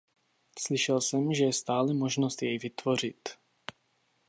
Slyšel jsem, že je stále možnost jej vytvořit.